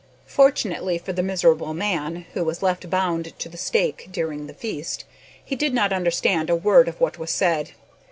Fortunately for the miserable man who was left bound to the stake during the feast he did not understand a word of what was said.